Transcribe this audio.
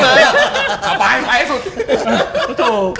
ถ่ายใหม่ใบใหญ่สุด